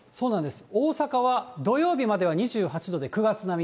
大阪は土曜日までは２８度で９月並み、